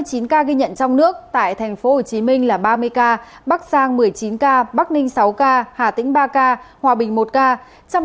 chín ca ghi nhận trong nước tại tp hcm là ba mươi ca bắc giang một mươi chín ca bắc ninh sáu ca hà tĩnh ba ca hòa bình một ca